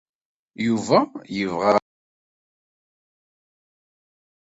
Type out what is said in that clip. Yuba yebɣa ad yales ad iẓer Wrida n At Qasi Muḥ.